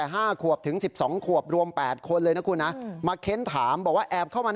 เออคุณต้องรู้สิว่าลูกคุณเข้ามานึกข้าวของ